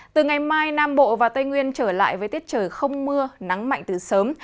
từ ngày mai nam bộ và tây nguyên trở lại với tiết trời không mưa nắng mạnh từ sớm